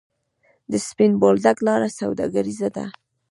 د سپین بولدک لاره سوداګریزه ده